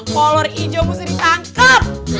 kolor ijo mesti ditangkap